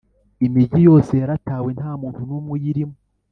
imigi yose yaratawe nta muntu numwe uyirimo